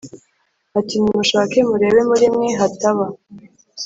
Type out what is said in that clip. Ati nimushake murebe muri mwe hataba